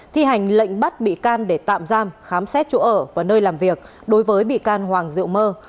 thi hành lệnh bắt bị can để tạm giam khám xét chỗ ở và nơi làm việc đối với bị can hoàng diệu mơ